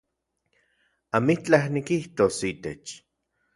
Amitlaj nikijtos itech